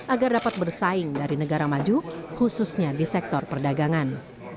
agar dapat bersaing dari negara maju khususnya di sektor perdagangan